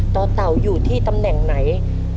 ต่อเต่าอยู่ที่ตำแหน่งไหน